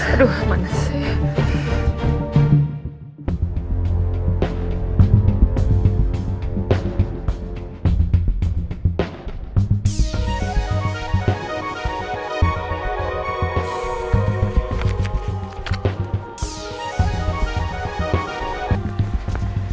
aduh mana sih